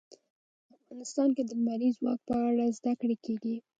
افغانستان کې د لمریز ځواک په اړه زده کړه کېږي.